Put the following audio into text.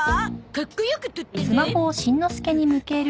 かっこよく撮ってねん。